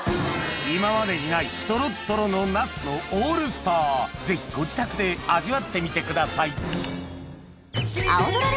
今までにないトロットロのぜひご自宅で味わってみてください